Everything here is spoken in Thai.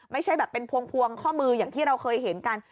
ไม่ใช่แบบเป็นพวงข้อมืออย่างที่เราเคยเห็นกัน